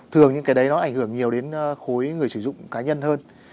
thường những cái đấy nó ảnh hưởng nhiều đến khối người sử dụng cá nhân hơn